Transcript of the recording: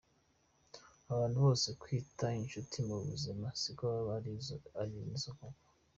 Abantu bose twita inshuti mu buzima siko baba ari zo koko.